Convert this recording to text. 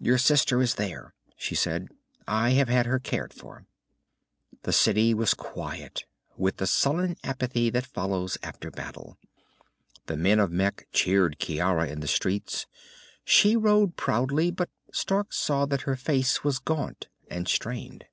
"Your sister is there," she said. "I have had her cared for." The city was quiet, with the sullen apathy that follows after battle. The men of Mekh cheered Ciara in the streets. She rode proudly, but Stark saw that her face was gaunt and strained.